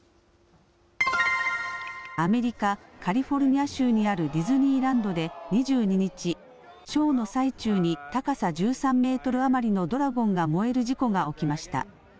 アメリカ・カリフォルニア州にあるディズニーランドで２２日、ショーの最中に、高さ１３メートル余りのドラゴンが燃える事故が起きました。